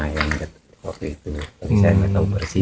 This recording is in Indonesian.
jadi saya tidak tahu persis